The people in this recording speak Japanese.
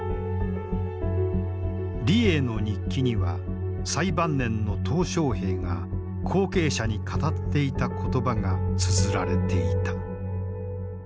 李鋭の日記には最晩年の小平が後継者に語っていた言葉がつづられていた。